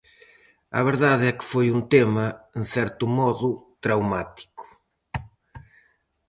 A verdade é que foi un tema, en certo modo, traumático.